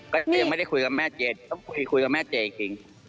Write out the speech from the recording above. ก็ยังไม่ได้คุยกับแม่เจก็คุยกับแม่เจจริง